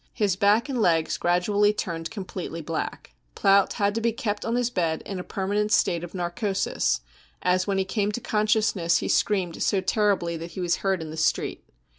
His back and legs gradually turned j completely black. Plaut had to be kept on his bed in a permanent state of narcosis, as when he came to conscious ness he ^screamed so terribly that , he was heard in the street.